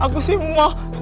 aku sih moh